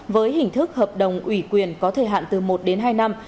với hình thức hợp đồng ủy quyền có thời hạn từ một đến hai năm